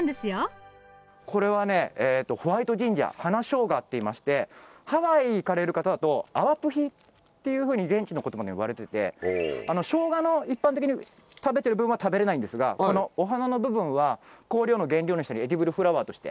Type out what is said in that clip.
これはねホワイトジンジャー花しょうがっていいましてハワイへ行かれる方だと「アワプヒ」っていうふうに現地の言葉で呼ばれててしょうがの一般的に食べてる部分は食べれないんですがこのお花の部分は香料の原料にしたりエディブルフラワーとして。